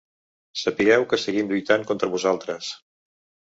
Sapigueu que seguim lluitant contra vosaltres.